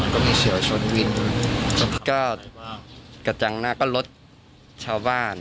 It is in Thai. ก็กระจังหน้าก็รถชาวบ้าน